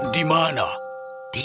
bintang jatuh dimana